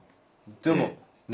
でもね？